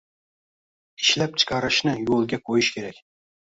Ishlab chiqarishni yo‘lga qo‘yish kerak.